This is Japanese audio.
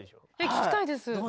聴きたいです。